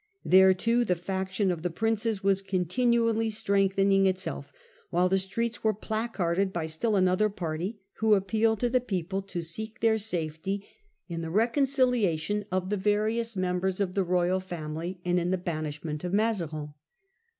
There too the Paris. faction of the Princes was continuallys trength ening itself, while the streets were placarded by still another party, who appealed to the people to seek their safety in the reconciliation of the various members of the royal family and in the banishment of Mazarin.